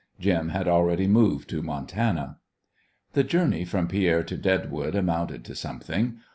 Jim had already moved to Montana. The journey from Pierre to Deadwood amounted to something.